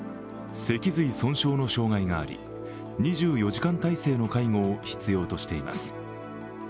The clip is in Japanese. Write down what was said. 脊髄損傷の障害があり、２４時間体制の介護を必要としています。